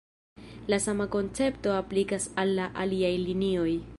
La sama koncepto aplikas al la aliaj linioj.